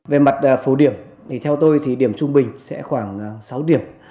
về mặt phổ điểm thì theo tôi thì điểm trung bình sẽ khoảng sáu điểm